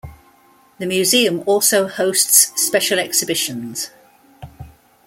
The museum also hosts special exhibitions.